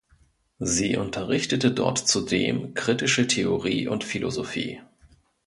Sie unterrichtete dort zudem kritische Theorie und Philosophie.